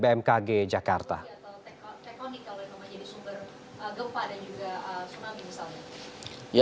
atau tektonik kalau yang namanya sumber gempa dan juga tsunami misalnya